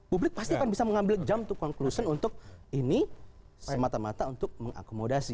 publik pasti akan bisa mengambil jump to conclusion untuk ini semata mata untuk mengakomodasi